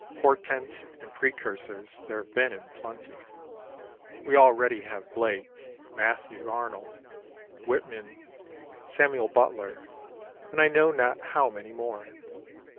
Portents and precursors there have been in plenty. We already have Blake, Matthew Arnold, Whitman, Samuel Butler, and I know not how many more.